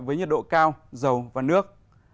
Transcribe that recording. với nhiệt độ cao dầu và nước